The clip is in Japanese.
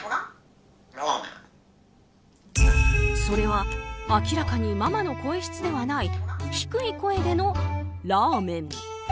それは明らかにママの声質ではない低い声でのラーメン。